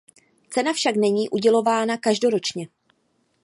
Cena však není udělována každoročně.